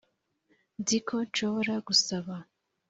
nzi ko nshobora gusaba.